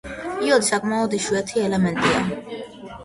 იოდი საკმაოდ იშვიათი ელემენტია.